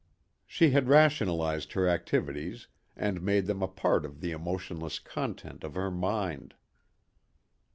She had rationalized her activities and made them a part of the emotionless content of her mind.